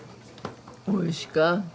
おいしか。